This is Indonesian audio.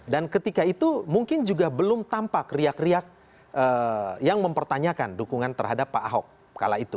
dan ketika itu mungkin juga belum tampak riak riak yang mempertanyakan dukungan terhadap pak ahok